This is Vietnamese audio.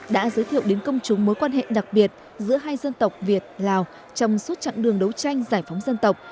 đã giới thiệu đến công chúng mối quan hệ đặc biệt giữa hai dân tộc việt lào trong suốt chặng đường đấu tranh giải phóng dân tộc